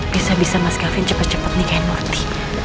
bisa bisa mas gavin cepet cepet nikahin murthy